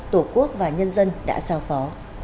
tổ quốc và nhân dân đã sao phó